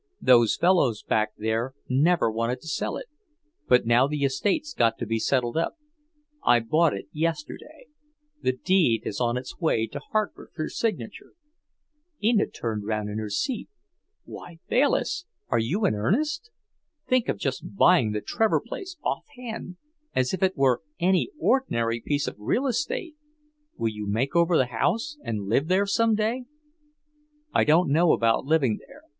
Those fellows back there never wanted to sell it. But now the estate's got to be settled up. I bought it yesterday. The deed is on its way to Hartford for signature." Enid turned round in her seat. "Why Bayliss, are you in earnest? Think of just buying the Trevor place off hand, as if it were any ordinary piece of real estate! Will you make over the house, and live there some day?" "I don't know about living there.